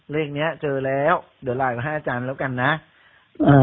เลขเนี้ยเจอแล้วเดี๋ยวไลน์มาให้อาจารย์แล้วกันนะอ่า